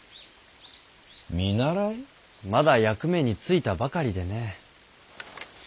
まだ役目に就いたばかりでね。